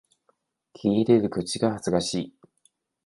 聞いてるこっちが恥ずかしい